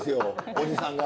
おじさんが。